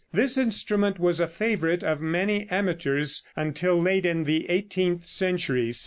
This instrument was a favorite with many amateurs until late in the eighteenth century.